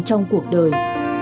trong cuộc đời